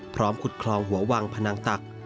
พร้อมคุดคลองหัววังพนักตัก